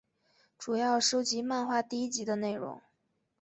主要收录漫画第一集的内容。